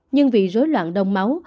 nhưng vì rối loạn đông máu